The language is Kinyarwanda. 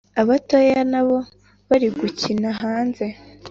abatoya na bo bari gukina hanze